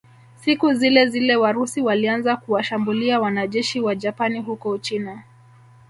Siku zilezile Warusi walianza kuwashambulia wanajeshi Wajapani huko Uchina